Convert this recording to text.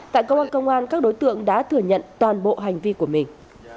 tại công an công an các đối tượng đã thừa nhận toàn bộ hành vi của mình